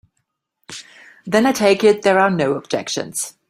Then I take it there are no objections.